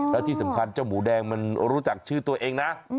แล้วที่สำคัญเจ้าหมูแดงมันรู้จักชื่อตัวเองนะ